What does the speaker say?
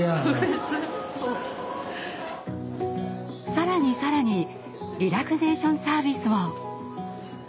更に更にリラクゼーションサービスも！